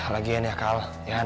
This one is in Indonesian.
lagian ya kal